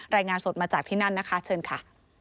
รายงานสดมาจากที่นั่นนะคะเชิญค่ะ